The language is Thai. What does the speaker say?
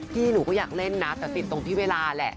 พี่หนูก็อยากเล่นนะแต่ติดตรงที่เวลาแหละ